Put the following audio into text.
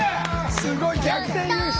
すごい逆転優勝。